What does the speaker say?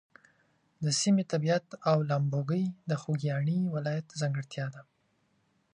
د سیمې طبیعت او لامبوګۍ د خوږیاڼي ولایت ځانګړتیا ده.